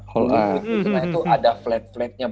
kalau di senayan itu ada flat flatnya banget